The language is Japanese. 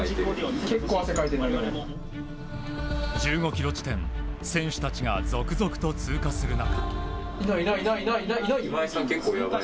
１５ｋｍ地点選手たちが続々と通過する中。